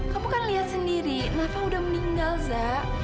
kamu kan liat sendiri nafa udah meninggal za